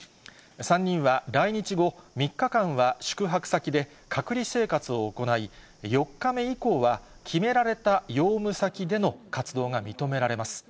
３人は来日後、３日間の宿泊先で隔離生活を行い、４日目以降は、決めされた用務先での活動が認められます。